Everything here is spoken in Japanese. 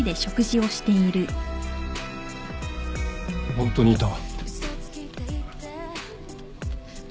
ホントにいた。